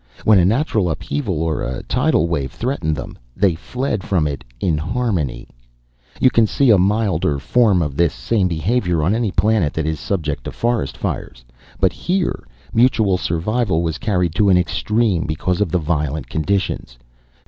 When a natural upheaval or a tidal wave threatened them, they fled from it in harmony. "You can see a milder form of this same behavior on any planet that is subject to forest fires. But here, mutual survival was carried to an extreme because of the violent conditions.